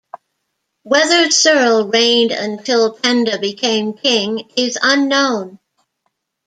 Whether Cearl reigned until Penda became king is unknown.